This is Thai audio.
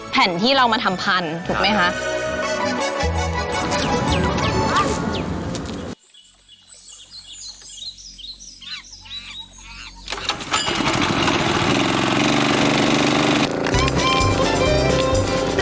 แผ่นที่เรามาทำพันธุ์ถูกไหมคะ